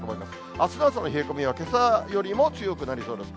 あすの朝の冷え込みはけさよりも強くなりそうです。